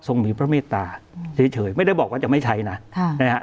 มีพระเมตตาเฉยไม่ได้บอกว่าจะไม่ใช้นะค่ะนะฮะ